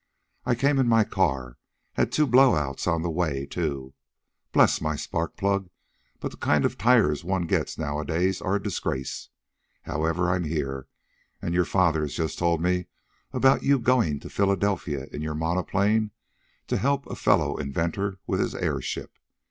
I came in my car had two blowouts on the way, too. Bless my spark plug, but the kind of tires one gets now a days are a disgrace! However, I'm here, and your father has just told me about you going to Philadelphia in your monoplane, to help a fellow inventor with his airship.